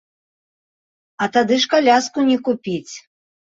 А тады ж каляску не купіць!